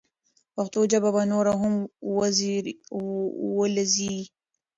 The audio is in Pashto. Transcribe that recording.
پښتو ژبه به نوره هم وځلیږي.